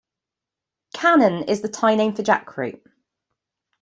Khanun is the Thai name for jackfruit.